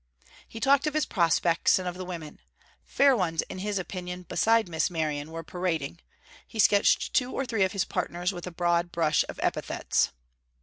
He talked of his prospects, and of the women. Fair ones, in his opinion, besides Miss Merion were parading; he sketched two or three of his partners with a broad brush of epithets.